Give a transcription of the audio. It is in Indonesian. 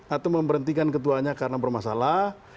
atau memberhentikan ketuanya karena bermasalah